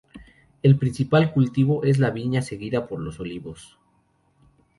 El principal cultivo es la viña seguida por los olivos.